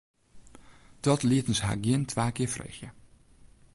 Dat lieten se har gjin twa kear freegje.